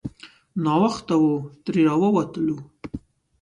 ناوخته وو ترې راووتلو.